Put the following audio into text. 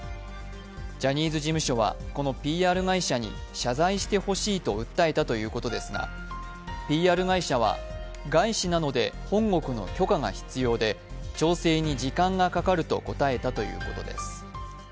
ジャニーズ事務所はこのＰＲ会社に謝罪してほしいと訴えたということですがＰＲ会社は外資のなので本国の許可が必要で調整に時間がかかると答えたということです。